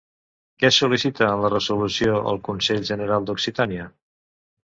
Què sol·licita en la resolució el Consell General d'Occitània?